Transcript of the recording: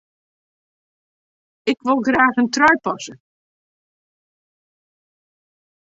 Ik wol graach in trui passe.